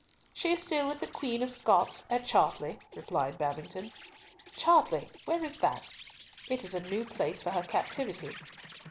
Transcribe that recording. "She is still with the Queen of Scots, at Chartley," replied Babington. "Chartley, where is that? It is a new place for her captivity."